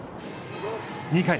２回。